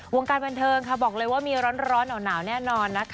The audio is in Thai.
วงการบันเทิงค่ะบอกเลยว่ามีร้อนหนาวแน่นอนนะคะ